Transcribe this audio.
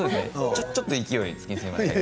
ちょっと勢いをつけすぎました。